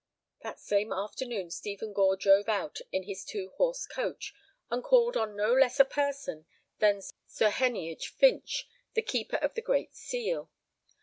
That same afternoon Stephen Gore drove out in his two horse coach, and called on no less a person than Sir Heneage Finch, the Keeper of the Great Seal.